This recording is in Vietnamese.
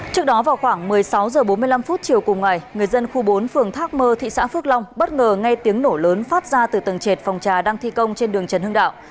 trước đó vào khoảng một mươi sáu h bốn mươi năm chiều cùng ngày người dân khu bốn phường thác mơ thị xã phước long bất ngờ nghe tiếng nổ lớn phát ra từ tầng trệt phòng trà đang thi công trên đường trần hưng đạo